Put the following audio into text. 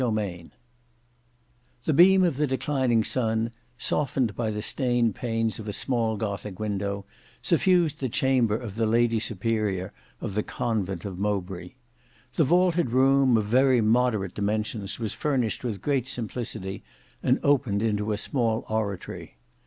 Book 6 Chapter 5 The beam of the declining sun, softened by the stained panes of a small gothic window, suffused the chamber of the Lady Superior of the convent of Mowbray. The vaulted room, of very moderate dimensions, was furnished with great simplicity and opened into a small oratory.